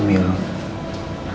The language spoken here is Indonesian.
kamu juga harus jaga kesehatan